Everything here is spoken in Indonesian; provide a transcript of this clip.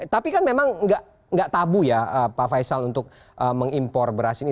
tapi kan memang nggak tabu ya pak faisal untuk mengimpor beras ini